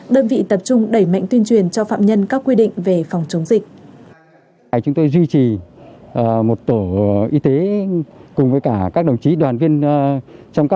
đơn vị tập trung đẩy mạnh tuyên truyền cho phạm nhân các quy định về phòng chống dịch